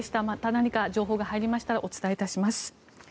また何か情報が入りましたらお伝えいたします。